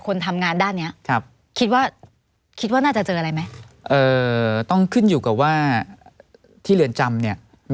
คิดว่าน่าจะเจออะไรไหม